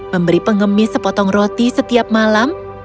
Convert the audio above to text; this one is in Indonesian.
memberi pengemis sepotong roti setiap malam